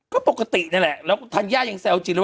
ก็ปกติน่ะแหละแล้วทันย่าอย่างแซวจิมรู้